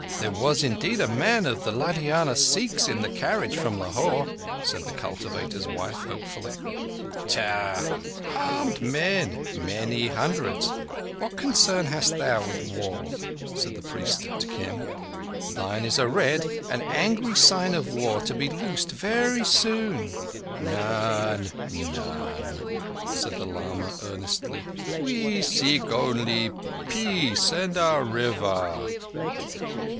"There was indeed a man of the Ludhiana Sikhs in the carriage from Lahore," said the cultivator's wife hopefully. "Tck! Armed men—many hundreds. What concern hast thou with war?" said the priest to Kim. "Thine is a red and an angry sign of War to be loosed very soon." "None—none." said the lama earnestly. "We seek only peace and our River."